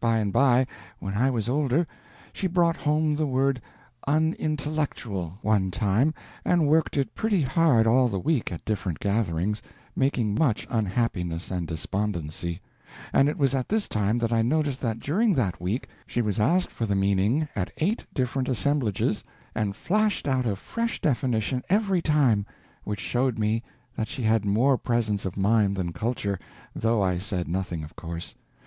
By and by, when I was older, she brought home the word Unintellectual, one time, and worked it pretty hard all the week at different gatherings, making much unhappiness and despondency; and it was at this time that I noticed that during that week she was asked for the meaning at eight different assemblages, and flashed out a fresh definition every time, which showed me that she had more presence of mind than culture, though I said nothing, of course.